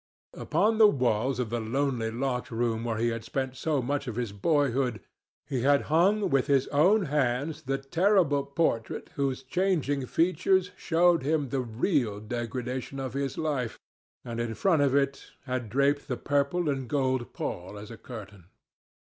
Upon the walls of the lonely locked room where he had spent so much of his boyhood, he had hung with his own hands the terrible portrait whose changing features showed him the real degradation of his life, and in front of it had draped the purple and gold pall as a curtain.